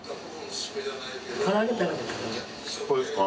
これですか？